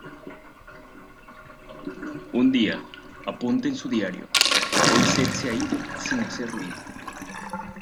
Un día, apunta en su diario: "Hoy Seth se ha ido, sin hacer ruido.